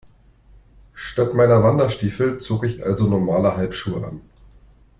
Statt meiner Wanderstiefel zog ich also normale Halbschuhe an.